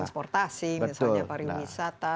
seperti transportasi misalnya pariwisata